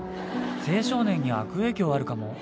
青少年に悪影響あるかも。